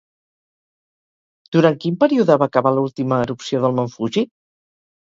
Durant quin període va acabar l'última erupció del mont Fuji?